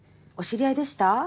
お知り合いでした？